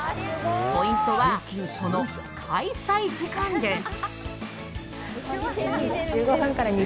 ポイントは、その開催時間です。